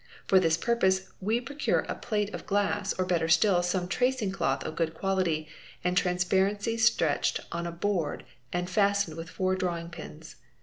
For this purpose we _ procure a plate of glass, or better still some tracing cloth of good quality and transparency stretched on a board and fastened with four drawing pins.